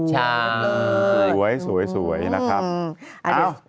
ใช่แล้วแบบนี้๓สวยนะครับ